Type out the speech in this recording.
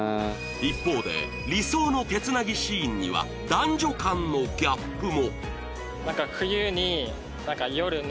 一方で理想の手つなぎシーンには男女間のギャップも